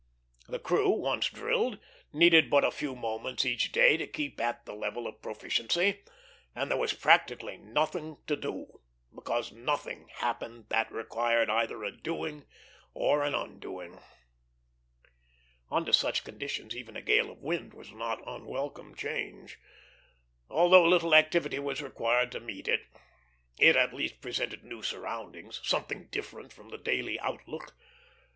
The crew, once drilled, needed but a few moments each day to keep at the level of proficiency; and there was practically nothing to do, because nothing happened that required either a doing or an undoing. Under such conditions even a gale of wind was a not unwelcome change. Although little activity was required to meet it, it at least presented new surroundings something different from the daily outlook.